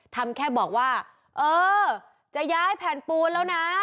ทำแค่บอกว่าเออจะย้ายแผ่นปูนแล้วนะ